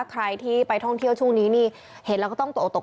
ใครที่ไปท่องเที่ยวช่วงนี้นี่เห็นแล้วก็ต้องตกตก